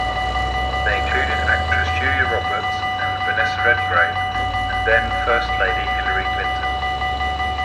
They included actresses Julia Roberts and Vanessa Redgrave and then-First Lady Hillary Clinton.